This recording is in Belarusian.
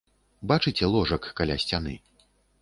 Бачыце ложак каля сцяны?